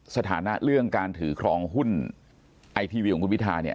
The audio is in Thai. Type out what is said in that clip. สถานะเรื่องการถือครองหุ้นไอทีวีของคุณพิทาเนี่ย